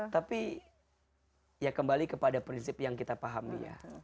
tapi ya kembali kepada prinsip yang kita pahami ya